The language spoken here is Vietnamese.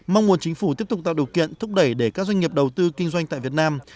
mong muốn chính phủ tiếp tục tạo điều kiện thúc đẩy để các doanh nghiệp đầu tư kinh doanh tại việt nam